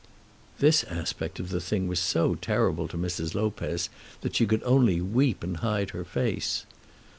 This aspect of the thing was so terrible to Mrs. Lopez that she could only weep and hide her face.